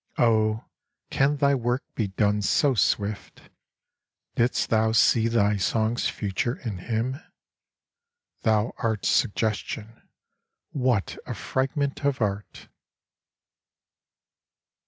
Oh, can thy work be done so swift ? Didst thou see thy song's future in him ? Thou art suggestion : what a fragment of art